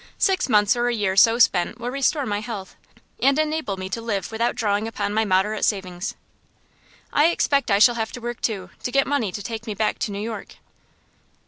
Six months or a year so spent will restore my health, and enable me to live without drawing upon my moderate savings." "I expect I shall have to work, too, to get money to take me back to New York."